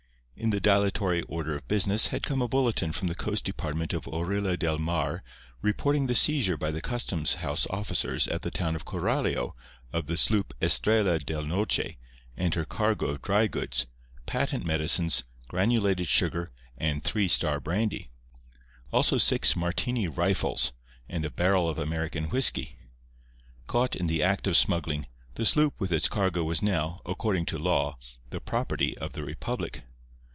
In the dilatory order of business had come a bulletin from the coast department of Orilla del Mar reporting the seizure by the custom house officers at the town of Coralio of the sloop Estrella del Noche and her cargo of drygoods, patent medicines, granulated sugar and three star brandy. Also six Martini rifles and a barrel of American whisky. Caught in the act of smuggling, the sloop with its cargo was now, according to law, the property of the republic.